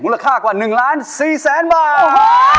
มูลค่ากว่า๑๔๐๐๐๐๐บาท